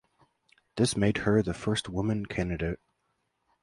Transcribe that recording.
This made her the first woman candidate.